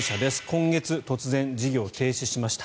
今月、突然事業停止しました。